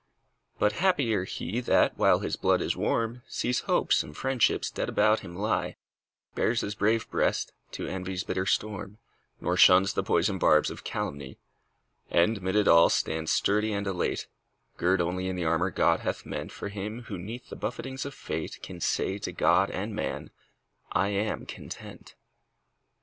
But happier he, that, while his blood is warm, See hopes and friendships dead about him lie Bares his brave breast to envy's bitter storm, Nor shuns the poison barbs of calumny; And 'mid it all, stands sturdy and elate, Girt only in the armor God hath meant For him who 'neath the buffetings of fate Can say to God and man: "I am content."